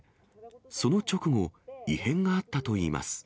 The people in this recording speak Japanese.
その直後、異変があったといいます。